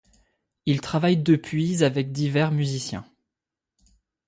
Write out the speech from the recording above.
Il travaille depuis avec divers musiciens.